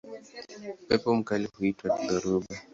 Upepo mkali huitwa dhoruba.